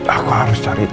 aku harus cari al